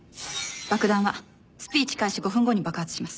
爆弾はスピーチ開始５分後に爆発します。